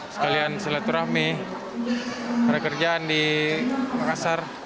sekalian silaturahmi pekerjaan di makassar